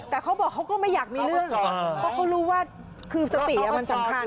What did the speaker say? แต่เขาบอกเขาก็ไม่อยากมีเรื่องเพราะเขารู้ว่าคือสติมันสำคัญ